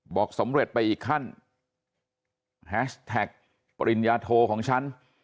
บอกสำเร็จไปอีกขั้นแฮชแท็กปริญญาโทของฉัน